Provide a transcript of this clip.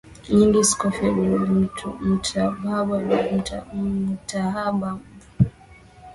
Nyingi Scofied Ruge Mutahaba Ruge Mutahaba amefariki Afrika kusini alikokuwa akipokea